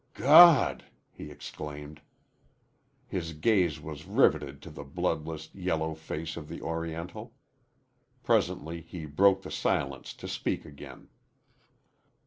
"God!" he exclaimed. His gaze was riveted to the bloodless, yellow face of the Oriental. Presently he broke the silence to speak again.